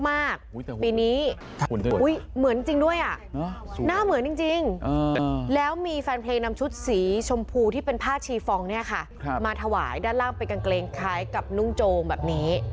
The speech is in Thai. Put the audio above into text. ปีนี้เหมือนจริงด้วยอ่ะหน้าเหมือนจริงแล้วมีแฟนเพลงนำชุดสีชมพูที่เป็นผ้าชีฟองเนี่ยค่ะมาถวายด้านล่างเป็นกางเกงคล้ายกับนุ่งโจงแบบนี้